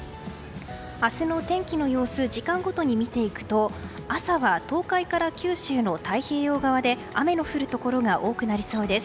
明日の天気の様子時間ごとに見ていくと朝は東海から九州の太平洋側で雨の降るところが多くなりそうです。